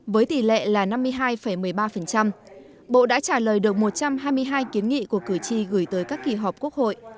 với tỷ lệ là năm mươi hai một mươi ba bộ đã trả lời được một trăm hai mươi hai kiến nghị của cử tri gửi tới các kỳ họp quốc hội